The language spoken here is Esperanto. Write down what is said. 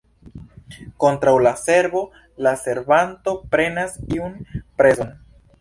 Kontraŭ la servo la servanto prenas iun prezon.